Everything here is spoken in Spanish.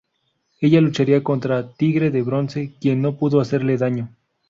Ella lucharía contra Tigre de Bronce, quien no pudo hacerle daño.